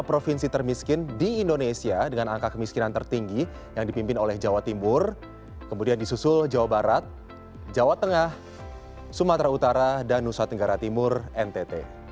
provinsi termiskin di indonesia dengan angka kemiskinan tertinggi yang dipimpin oleh jawa timur kemudian disusul jawa barat jawa tengah sumatera utara dan nusa tenggara timur ntt